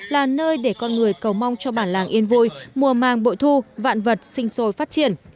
là nơi để con người cầu mong cho bản làng yên vui mùa màng bội thu vạn vật sinh sôi phát triển